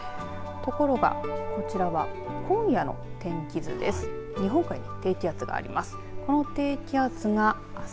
ところが、こちらは今夜の天気図です。